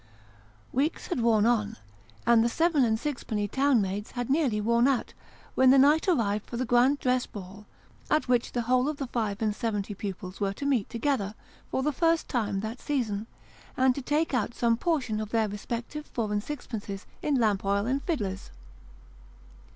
Weeks had worn on, and the seven and sixpenny town mades had nearly worn out, when the night arrived for the grand dress ball at which the whole of the five and seventy pupils were to meet together, for the first time that season, and to take out some portion of their respective four and sixpences in lamp oil and fiddlers.